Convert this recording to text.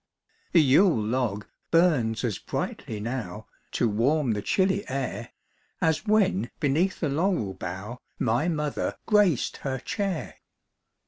The yule log burns as brightly now To warm the chilly air, As when beneath the laurel bough My mother graced her chair.